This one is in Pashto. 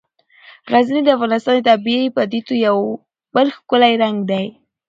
غزني د افغانستان د طبیعي پدیدو یو بل ښکلی رنګ دی.